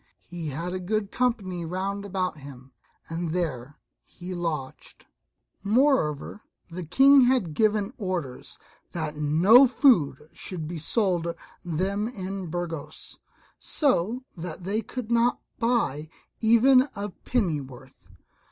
He had a good company round about him, and there he lodged Moreover the King had given orders that no food should be sold them in Burgos, so that they could not buy even a pennyworth.